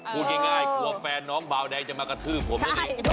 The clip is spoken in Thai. พูดง่ายความแฟนน้องเบาแดงจะมากระทืบผมด้วย